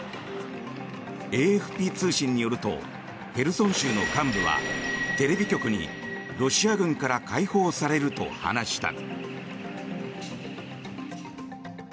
ＡＦＰ通信によるとヘルソン州の幹部はテレビ局に、ロシア軍から解放されると話した。